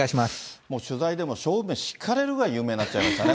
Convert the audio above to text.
取材でも勝負メシ聞かれるぐらい有名になっちゃいましたね。